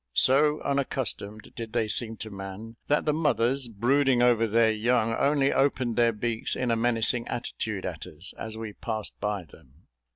So unaccustomed did they seem to man, that the mothers, brooding over their young, only opened their beaks, in a menacing attitude at us, as we passed by them.